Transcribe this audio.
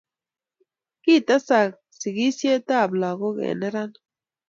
Kitesaka sigisietab lagok eng' neranik